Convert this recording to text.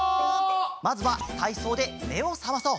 まずはたいそうでめをさまそう。